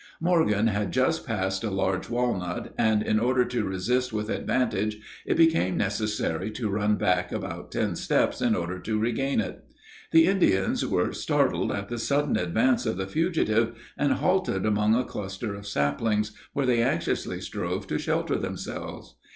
Morgan had just passed a large walnut, and, in order to resist with advantage, it became necessary to run back about ten steps in order to regain it. The Indians were startled at the sudden advance of the fugitive, and halted among a cluster of saplings, where they anxiously strove to shelter themselves.